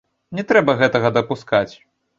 Не трэба гэтага дапускаць.